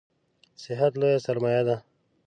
صحت لویه سرمایه ده